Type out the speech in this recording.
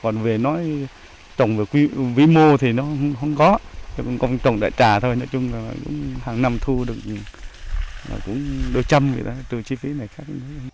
còn về nói trồng về vĩ mô thì nó không có trồng đại trà thôi nói chung là hàng năm thu được đôi trăm trừ chi phí này khác